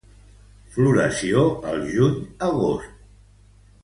Floració al juny-agost.